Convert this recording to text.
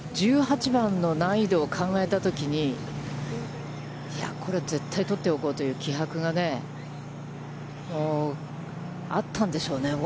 １８番の難易度を考えたときに、これは絶対取っておこうという気迫がね、あったんでしょうね。